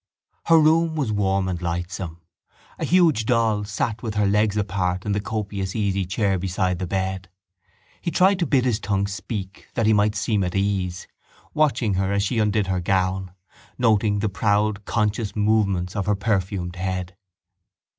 Her room was warm and lightsome. A huge doll sat with her legs apart in the copious easychair beside the bed. He tried to bid his tongue speak that he might seem at ease, watching her as she undid her gown, noting the proud conscious movements of her perfumed head.